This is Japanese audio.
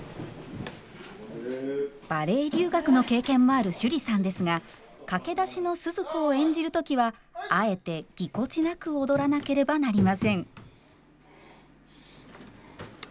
バレエ留学の経験もある趣里さんですが駆け出しのスズ子を演じる時はあえてぎこちなく踊らなければなりません。